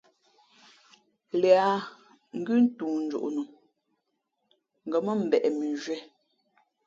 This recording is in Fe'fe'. Līā ngʉ́ toonjoʼ no, ngα̌ mά mbeʼ mʉnzhwē.